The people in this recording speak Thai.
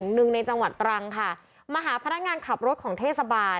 หนึ่งในจังหวัดตรังค่ะมาหาพนักงานขับรถของเทศบาล